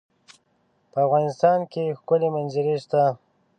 په افغانستان کې ښکلي منظرې شته.